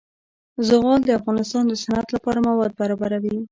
زغال د افغانستان د صنعت لپاره مواد برابروي.